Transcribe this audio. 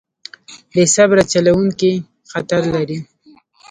بې صبره چلوونکی خطر لري.